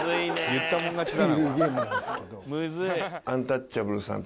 「言ったもん勝ちだな」